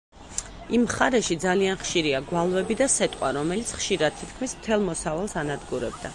იმ მხარეში ძალიან ხშირია გვალვები და სეტყვა, რომელიც ხშირად თითქმის მთელ მოსავალს ანადგურებდა.